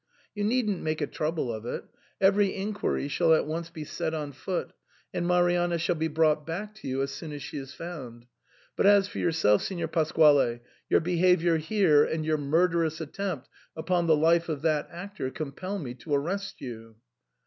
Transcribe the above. You needn't make a trouble of it ; every inquiry shall at once be set on foot, and Marianna shall be brought back to you as soon as she is found. But as for yourself, Signor Pas quale, your behaviour here and your murderous attempt upon the life of that actor compel me to arrest you.